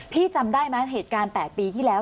พี่จำได้มั้ยเหตุการณ์แปดปีที่แล้ว